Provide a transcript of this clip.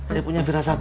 saya punya firasat